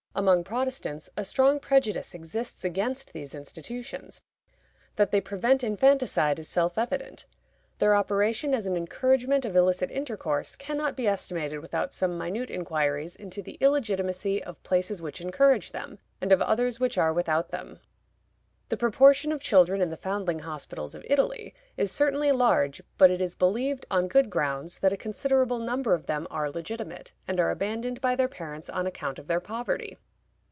Among Protestants, a strong prejudice exists against these institutions. That they prevent infanticide is self evident. Their operation as an encouragement of illicit intercourse can not be estimated without some minute inquiries into the illegitimacy of places which encourage them, and of others which are without them. The proportion of children in the foundling hospitals of Italy is certainly large, but it is believed, on good grounds, that a considerable number of them are legitimate, and are abandoned by their parents on account of their poverty.